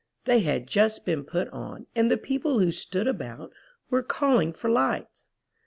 They had just been put on, and the people who stood about were calling for lights.